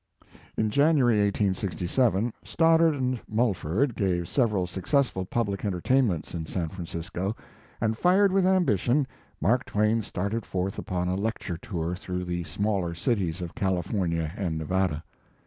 In January 1867, Stoddard and Mul ford gave several successful public enter tainments in San Francisco, and fired with ambition, Mark Twain started forth upon a lecture tour through the smaller cities of California and Nevada.